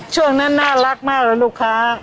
ช่วงนั้นน่ารักมากเลยลูกค้า